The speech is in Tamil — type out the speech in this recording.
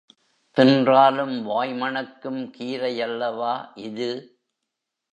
தின்றாலும் வாய் மணக்கும் கீரையல்லவா இது!